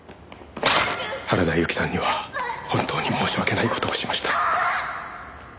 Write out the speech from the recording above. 原田由紀さんには本当に申し訳ない事をしました。